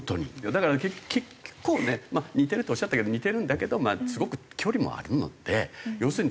だから結構ね似てるっておっしゃったけど似てるんだけどすごく距離もあるので要するになんていうのかな。